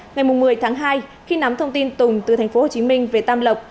ngày một mươi tháng hai khi nắm thông tin tùng từ tp hcm về tam lộc